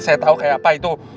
saya tahu kayak apa itu